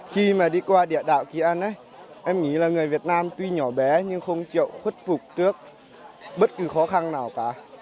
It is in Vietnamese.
khi mà đi qua địa đạo kỳ anh em nghĩ là người việt nam tuy nhỏ bé nhưng không chịu khuất phục trước bất cứ khó khăn nào cả